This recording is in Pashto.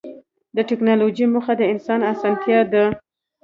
د ټکنالوجۍ موخه د انسان اسانتیا ده.